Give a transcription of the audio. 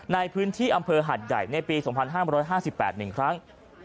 ในพื้นที่อำเภอหัดใหญ่ในปี๒๕๕๘๑ครั้ง